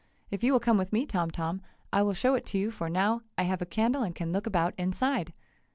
If you will come with me, Tom Tom, I will show it to you, for now I have a candle and can look about inside!"